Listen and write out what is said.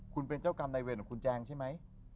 คุณเป็นเจ้ากรรมในเวรของคุณแจงใช่ไหม